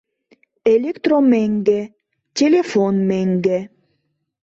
Электромеҥге, телефон меҥге